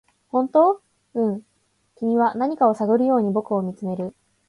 「本当？」「うん」君は何かを探るように僕を見つめる